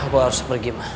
aku harus pergi ma